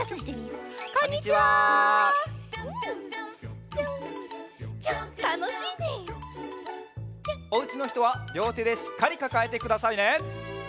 「ぴょんぴょんぴょん」おうちのひとはりょうてでしっかりかかえてくださいね。